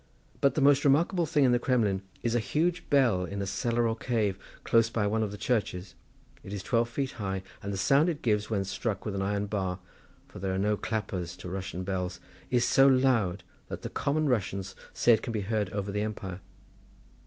But the most remarkable thing in the Kremlin is a huge bell in a cellar or cave, close by one of the churches; it is twelve feet high, and the sound it gives when struck with an iron bar, for there are no clappers to Russian bells, is so loud that the common Russians say it can be heard over the empire.